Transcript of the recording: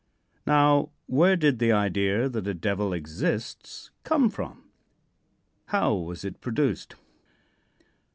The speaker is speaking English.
Now, where did the idea that a Devil exists come from? How was it produced?